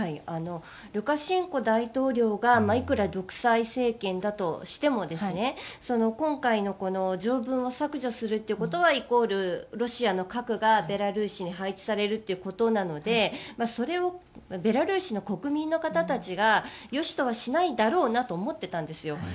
ルカシェンコ大統領がいくら独裁政権だとしても今回の条文を削除するということはイコールロシアの核がベラルーシに配置されるということなのでそれをベラルーシの国民の方たちがよしとはしないだろうなと思ってたんですよ。